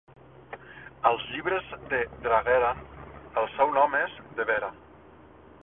Als llibres de Dragaeran el seu nom és Devera.